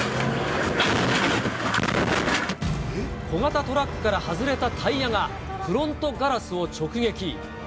小型トラックから外れたタイヤが、フロントガラスを直撃。